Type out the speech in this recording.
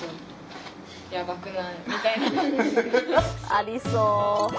ありそう。